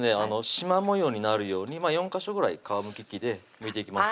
しま模様になるようにまぁ４ヵ所ぐらい皮むき器でむいていきます